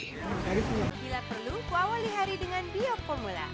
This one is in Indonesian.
harusnya perlu kuawali hari dengan bio formula